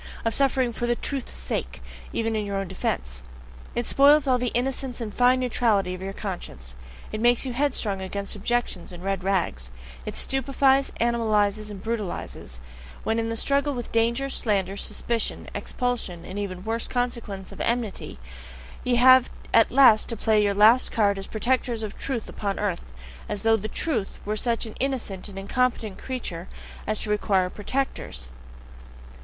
Of suffering "for the truth's sake"! even in your own defense! It spoils all the innocence and fine neutrality of your conscience; it makes you headstrong against objections and red rags; it stupefies, animalizes, and brutalizes, when in the struggle with danger, slander, suspicion, expulsion, and even worse consequences of enmity, ye have at last to play your last card as protectors of truth upon earth as though "the Truth" were such an innocent and incompetent creature as to require protectors!